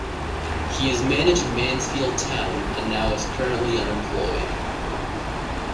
He has managed Mansfield Town, and now is currently unemployed.